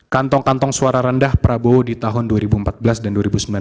kantong kantong suara rendah prabowo di tahun dua ribu empat belas dan dua ribu sembilan belas